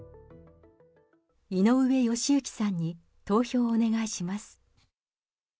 井上よしゆきさんに投票をお願いします。